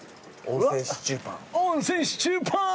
温泉シチューパン。